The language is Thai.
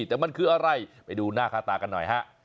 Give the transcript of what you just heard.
แต่มันคืออะไรไปดูหน้าค่าตากันหน่อยฮะ